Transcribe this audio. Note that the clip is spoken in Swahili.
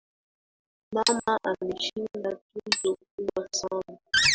Mama ameshinda tuzo kubwa sana